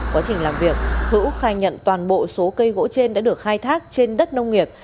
quá trình làm việc hữu khai nhận toàn bộ số cây gỗ trên đã được khai thác trên đất nông nghiệp